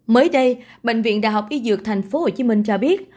mới đây bệnh viện đại học y dược tp hcm cho biết